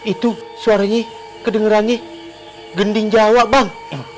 itu suaranya kedengerannya gending jawa bang